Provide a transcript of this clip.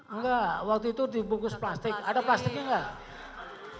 enggak waktu itu dibungkus plastik ada plastiknya enggak